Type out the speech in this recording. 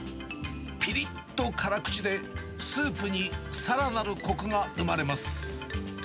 ぴりっと辛口で、スープにさらなるこくが生まれます。